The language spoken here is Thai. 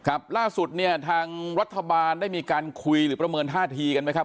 ครับล่าสุดเนี่ยทางรัฐบาลได้มีการคุยหรือประเมินท่าทีกันไหมครับ